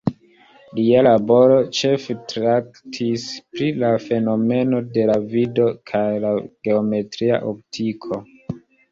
Lia laboro ĉefe traktis pri la fenomeno de la vido kaj la geometria optiko.